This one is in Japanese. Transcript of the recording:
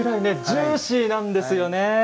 ジューシーなんですよね。